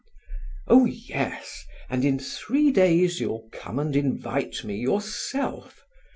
"Oh yes, and in three days you'll come and invite me yourself.